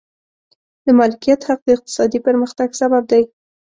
د مالکیت حق د اقتصادي پرمختګ سبب دی.